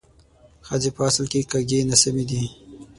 ښځې په اصل کې کږې ناسمې دي